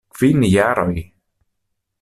Kvin jaroj!